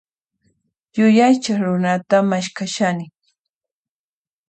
Yuyaychaq runatan maskhashani.